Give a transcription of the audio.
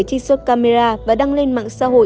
trích xuất camera và đăng lên mạng xã hội